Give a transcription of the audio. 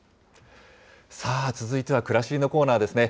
さあ、続いてはくらしりのコーナーですね。